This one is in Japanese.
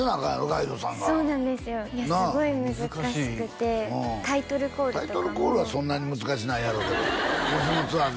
ガイドさんがそうなんですよいやすごい難しくてタイトルコールとかもタイトルコールはそんなに難しないやろうけど「もしもツアーズ」